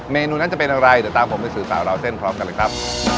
เมนูนั้นจะเป็นอะไรเดี๋ยวตามผมไปสื่อสาวราวเส้นพร้อมกันเลยครับ